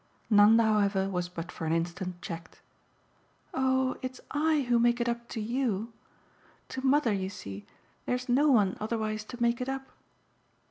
Nanda, however, was but for an instant checked. "Oh it's I who make it up to YOU. To mother, you see, there's no one otherwise to make it up."